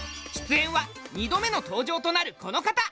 出演は２度目の登場となるこの方！